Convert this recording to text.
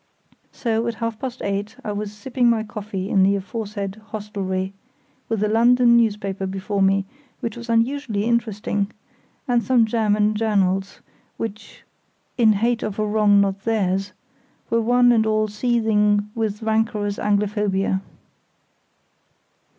So, at half past eight I was sipping my coffee in the aforesaid hostelry, with a London newspaper before me, which was unusually interesting, and some German journals, which, "in hate of a wrong not theirs", were one and all seething with rancorous Anglophobia.